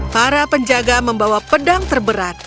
para penjaga membawa pedang terberat